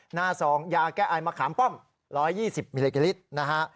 หน้า๒ยาแก้ไอมะขามป้อม๑๒๐มิลลิเกรียร์ลิตรนะฮะ